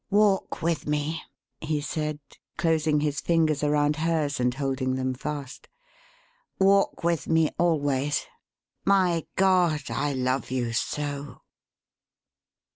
"Walk with me!" he said, closing his fingers around hers and holding them fast. "Walk with me always. My God! I love you so!"